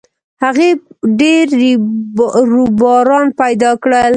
هغې ډېر رویباران پیدا کړل